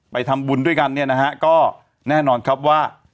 ทำบุญด้วยกันเนี่ยนะฮะก็แน่นอนครับว่า